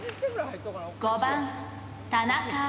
５番田中。